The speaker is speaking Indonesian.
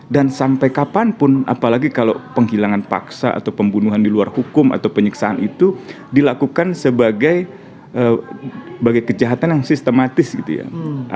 dan sampai kapanpun apalagi kalau penghilangan paksa atau pembunuhan di luar hukum atau penyiksaan itu dilakukan sebagai kejahatan yang sistematis gitu ya